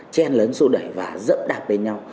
chen lớn sô đẩy và dẫm đạp lên nhau